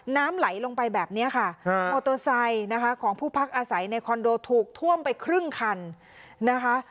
น้ำไหลลงไปแบบนี้ค่ะมอเตอร์ไซค์นะคะของผู้พักอาศัยในคอนโดถูกท่วมไปครึ่งคันนะคะ